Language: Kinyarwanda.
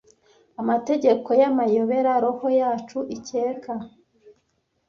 amategeko y'amayobera roho yacu ikeka